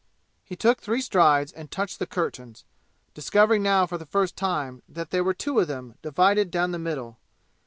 He took three strides and touched the curtains, discovering now for the first time that there were two of them, divided down the middle.